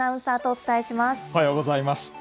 おはようございます。